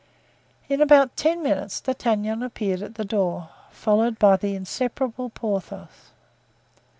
In about ten minutes D'Artagnan appeared at the door, followed by the inseparable Porthos.